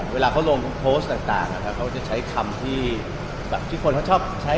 เวลาเขาลงโพสต์ต่างเขาจะใช้คำที่คนเขาชอบใช้